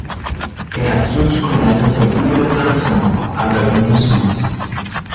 É aqui que começa a segunda declaração, a das intenções.